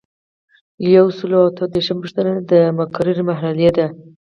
یو سل او اته دیرشمه پوښتنه د مقررې مرحلې دي.